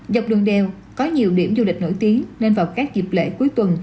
dọc đường đèo có nhiều điểm du lịch nổi tiếng nên vào các dịp lễ cuối tuần